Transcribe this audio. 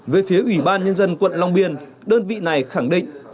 về phía ủy ban nhân dân quận long biên đơn vị này khẳng định